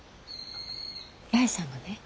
八重さんがね